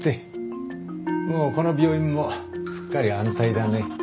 もうこの病院もすっかり安泰だね。